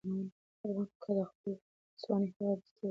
ارمان کاکا ته د خپلې ځوانۍ هغه مستۍ وریادې شوې.